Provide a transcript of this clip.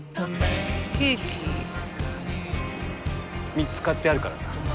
３つ買ってあるからさ。